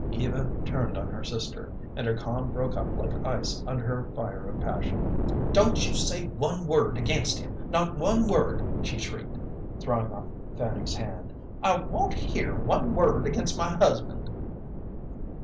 Eva turned on her sister, and her calm broke up like ice under her fire of passion. "Don't you say one word against him, not one word!" she shrieked, throwing off Fanny's hand. "I won't hear one word against my husband."